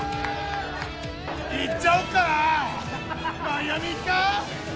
行っちゃおっかな、マイアミ行くか？